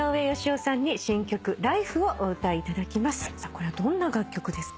これはどんな楽曲ですか？